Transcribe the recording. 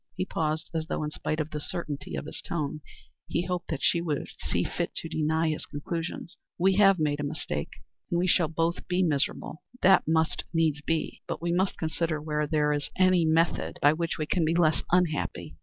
He paused as though in spite of the certainty of his tone, he hoped that she would see fit to deny his conclusions. "We have made a mistake and we shall both be miserable that must needs be but we must consider whether there is any method by which we can be less unhappy.